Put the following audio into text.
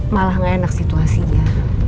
malah nggak enak situasinya